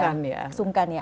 seperti itu ya sungkan ya